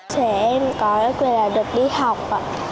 trẻ em có quyền là được đi học và